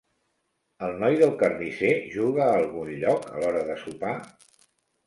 El noi del carnisser juga a algun lloc a l'hora de sopar?